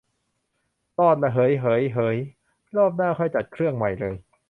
รอดละ เหย เหย เหย รอบหน้าค่อยจัดเครื่องใหม่เลย